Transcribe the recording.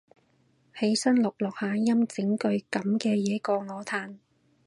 起身錄錄下音整句噉嘅嘢過我嘆